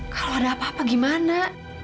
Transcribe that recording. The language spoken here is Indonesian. kalau ada apa apa gimana